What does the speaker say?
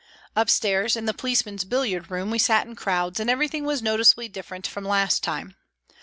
Upstairs, in the policemen's billiard room, we sat in crowds, and everything was notice ably different from last time.